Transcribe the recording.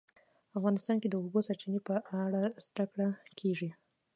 افغانستان کې د د اوبو سرچینې په اړه زده کړه کېږي.